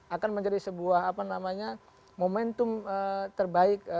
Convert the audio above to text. akan menjadi sebuah apa namanya momentum terbaik